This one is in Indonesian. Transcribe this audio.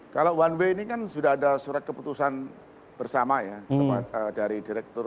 kalau one way ini kan sudah ada surat keputusan bersama ya dari direktur